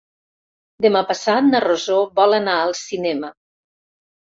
Demà passat na Rosó vol anar al cinema.